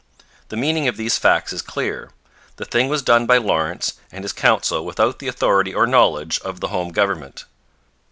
The meaning of these facts is clear. The thing was done by Lawrence and his Council without the authority or knowledge of the home government.